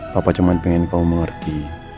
papa cuma pengen kamu mengerti